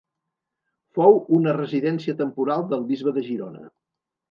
Fou una residència temporal del bisbe de Girona.